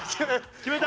決めた！